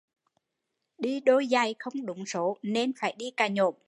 Đi đôi giày không đúng số nên phải đi cà nhổm